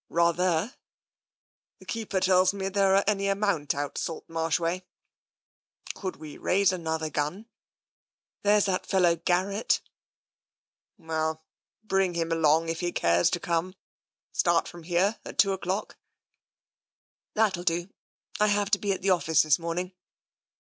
*'*' Rather/' " The keeper tells me there are any amount out Salt Marsh way. Could we raise another gun? "" There's that fellow Garrett." " Well, bring him along, if he cares to come. Start from here at two o'clock ?"" That'll do. I have to be at the office this morn mg.'